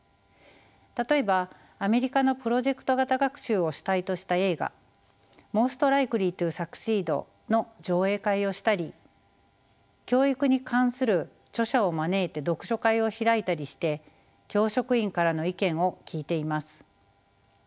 例えばアメリカのプロジェクト型学習を主体とした映画「ＭｏｓｔＬｉｋｅｌｙｔｏＳｕｃｃｅｅｄ」の上映会をしたり教育に関する著者を招いて読書会を開いたりして教職員からの意見を聞いています。